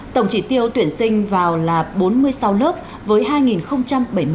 tổng chỉ tiêu tuyển sinh vào là bốn mươi sáu đồng một lít